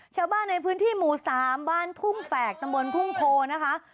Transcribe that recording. ชาวบ้านในพื้นที่หมู่๓บ้านทุ่งแฝกตำบลทุ่งโพนะคะ